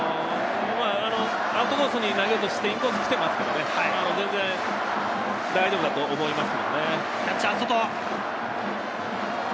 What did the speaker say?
アウトコースに投げようとしてインコースに来ていますけれど、全然、大丈夫だと思います。